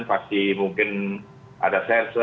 vaksin mungkin ada serse